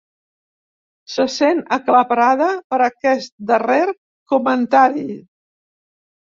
Se sent aclaparada per aquest darrer comentari.